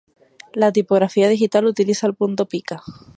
La tipografía digital utiliza el punto pica.